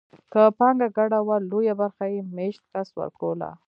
که پانګه ګډه وه لویه برخه یې مېشت کس ورکوله